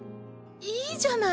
いいじゃない！